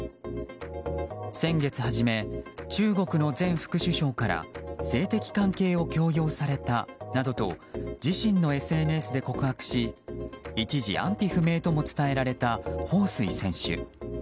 先月初め、中国の前副首相から性的関係を強要されたなどと自身のＳＮＳで告白し一時、安否不明とも伝えられたホウ・スイ選手。